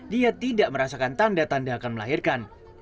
dia tidak merasakan tanda tanda akan melahirkan